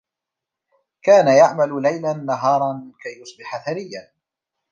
كان يعمل ليلا، نهارا كي يصبح ثريا.